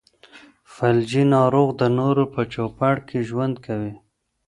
فلجي ناروغ د نورو په چوپړ کې ژوند کوي.